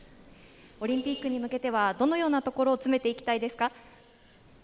オリンピックに向けてはどのようなところを詰めていきたいですか？